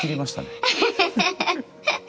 ハハハハハ！